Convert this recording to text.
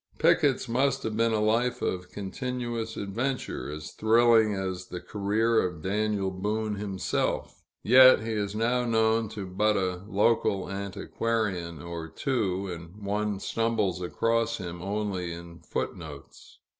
Picket's must have been a life of continuous adventure, as thrilling as the career of Daniel Boone himself; yet he is now known to but a local antiquarian or two, and one stumbles across him only in foot notes.